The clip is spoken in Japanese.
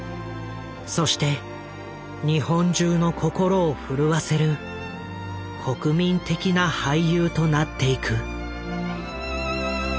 そして日本中の心を震わせる国民的な俳優となっていく。